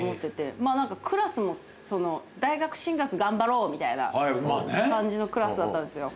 まあ何かクラスも大学進学頑張ろうみたいな感じのクラスだったんですよ。